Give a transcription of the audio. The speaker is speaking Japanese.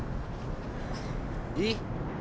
「いい？」